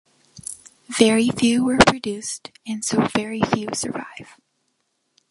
Very few were produced, and so very few survive.